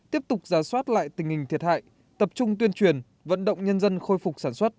tiếp tục giả soát lại tình hình thiệt hại tập trung tuyên truyền vận động nhân dân khôi phục sản xuất